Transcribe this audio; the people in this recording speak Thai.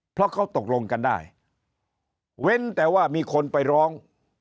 เพราะเขาตกลงกันได้เว้นแต่ว่ามีคนไปร้อง